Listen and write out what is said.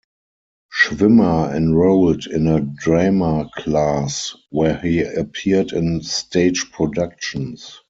Schwimmer enrolled in a drama class, where he appeared in stage productions.